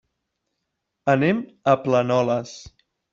Anem a Planoles.